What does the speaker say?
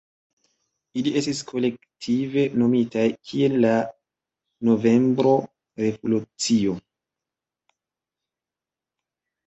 Ili estis kolektive nomitaj kiel la "Novembro Revolucio".